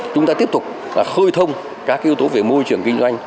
chúng ta tiếp tục khơi thông các yếu tố về môi trường kinh doanh